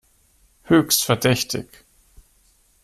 Höchst verdächtig!